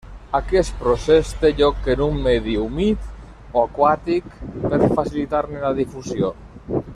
Aquest procés té lloc en un medi humit o aquàtic per facilitar-ne la difusió.